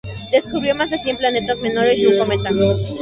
Descubrió más de cien planetas menores y un cometa.